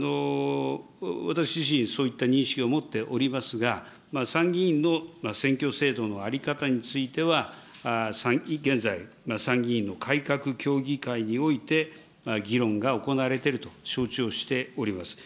私自身、そういった認識を持っておりますが、参議院の選挙制度の在り方については、現在、参議院の改革協議会において議論が行われていると承知をしております。